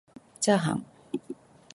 ちゃーはん